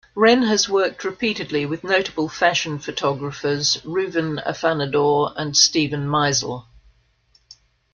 Renn has worked repeatedly with notable fashion photographers Ruven Afanador and Steven Meisel.